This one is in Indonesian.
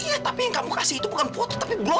iya tapi yang kamu kasih itu bukan foto tapi belum